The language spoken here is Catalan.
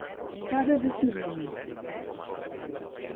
Cara de ciment.